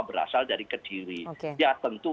berasal dari kediri ya tentu